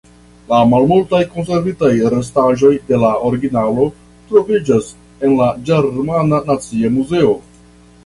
La malmultaj konservitaj restaĵoj de la originalo troviĝas en la Ĝermana Nacia Muzeo.